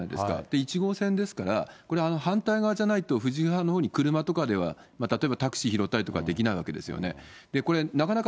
１号線ですから、これ、反対側じゃないと藤沢のほうに車とかでは、例えばタクシー拾ったりとかできないわけですよね。